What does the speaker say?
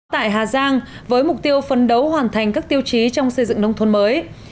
tại hà giang với mục tiêu phân đấu hoàn thành các tiêu chí trong xây dựng nông thôn mới